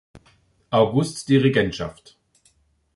August die Regentschaft.